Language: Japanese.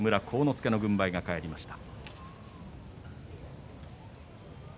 助の軍配が返りました。